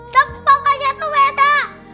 tapi papanya tuh beda